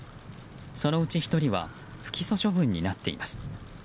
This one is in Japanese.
そのうち１人は不起訴処分になっています。